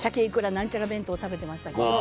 なんちゃら弁当食べていました。